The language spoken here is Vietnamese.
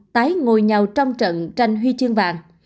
tái ngồi nhau trong trận tranh huy chương vàng